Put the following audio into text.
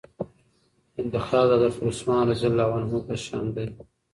انتخاب د حضرت عثمان رضي الله عنه په شان دئ.